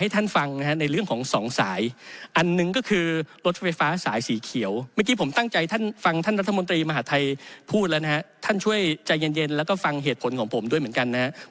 ท่านช่วยใจเย็นแล้วก็ฟังเหตุผลของผมด้วยเหมือนกันนะครับ